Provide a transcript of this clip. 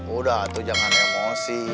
sudah jangan emosi